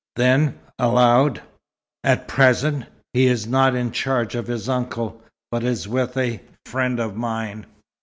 Then, aloud: "At present, he is not in charge of his uncle, but is with a friend of mine.